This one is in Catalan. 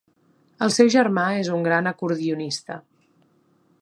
El seu germà és un gran acordionista.